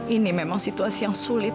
ini memang situasi yang sulit